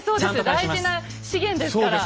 大事な資源ですから。